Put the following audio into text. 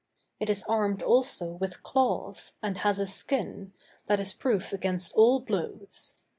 It is armed also with claws, and has a skin, that is proof against all blows.